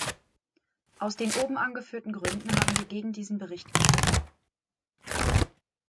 Aus den oben angeführten Gründen haben wir gegen diesen Bericht gestimmt.